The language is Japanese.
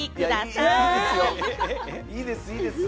いいです、いいです。